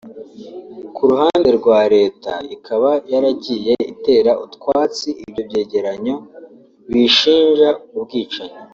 Ku ruhande rwa Leta ikaba yaragiye itera utwatsi ibyo byegeranyo biyishinja ubwicanyi